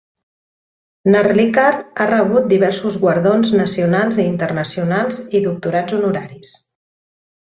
Narlikar ha rebut diversos guardons nacionals i internacionals i doctorats honoraris.